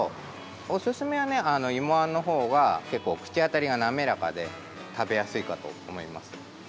おすすめはね、芋あんのほうが結構、口当たりが滑らかで食べやすいかと思います。